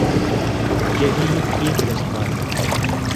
یہی ٹھیک راستہ ہے۔